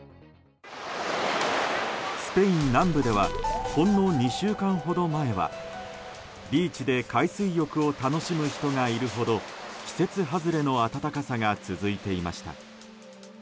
スペイン南部ではほんの２週間ほど前はビーチで海水浴を楽しむ人がいるほど季節外れの暖かさが続いていました。